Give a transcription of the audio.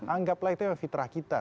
anggaplah itu fitrah kita